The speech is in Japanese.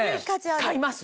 買います